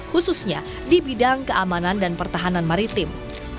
khususnya di bidang keamanan dan pertahanan maritim